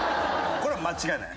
これは間違いない。